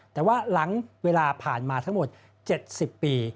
แต่ว่าหลังเวลาผ่านมาทั้งหมด๗๐ปี